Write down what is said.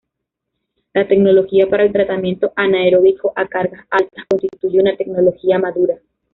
La tecnología para el tratamiento anaerobio a cargas altas constituye una tecnología madura.